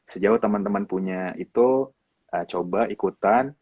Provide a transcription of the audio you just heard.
sejauh temen temen punya itu coba ikutan